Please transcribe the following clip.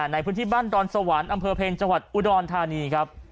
ในพื้นที่บ้านดอนสวรรค์อำเภอเพลจังหวัดอุดรธานีครับ